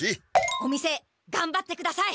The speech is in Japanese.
お店がんばってください！